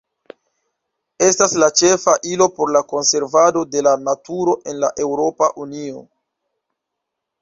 Estas la ĉefa ilo por la konservado de la naturo en la Eŭropa Unio.